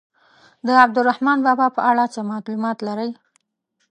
د عبدالرحمان بابا په اړه څه معلومات لرئ.